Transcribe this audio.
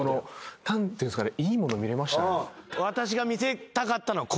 何ていうんですかね。